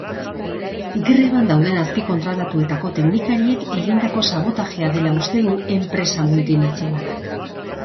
Greban dauden azpikontratatutako teknikariek egindako sabotajea dela uste du enpresa multinazionalak.